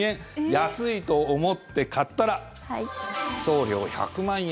安いと思って買ったら送料１００万円